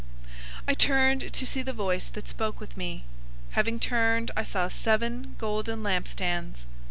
001:012 I turned to see the voice that spoke with me. Having turned, I saw seven golden lampstands.